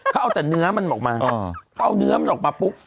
เขาเอาแต่เนื้อมันออกมาเอาเนื้อมันออกมาปุ๊บ